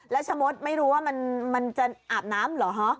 แล้วชมอดไม่รู้มึงว่ามันอาบน้ำหรอหรือเหรอ